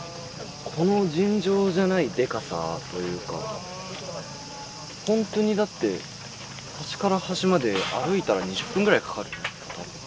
この尋常じゃないでかさというか本当にだって端から端まで歩いたら２０分ぐらいかかるんですよ。